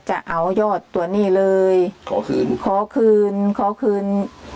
จะเอายอดตัวนี้เลยขอคืนขอคืนขอคืน